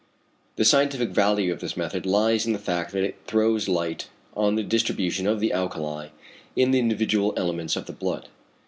The scientific value of this method lies in the fact that it throws light on the distribution of the alkali in the individual elements of the blood.